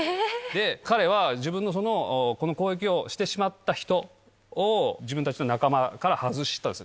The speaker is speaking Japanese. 彼は自分のこの攻撃をしてしまった人を、自分たちの仲間から外し何？